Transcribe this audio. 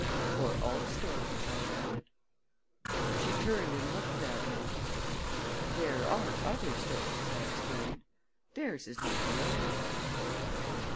"For all stories," I added. She turned and looked at me. "There are other stories," I explained. "Theirs is not the only one."